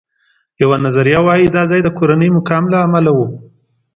یوه نظریه وایي دا ځای د کورني مقام له امله و.